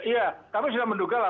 ya tapi sudah menduga lah